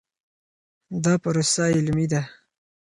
دا پروسه علمي ده.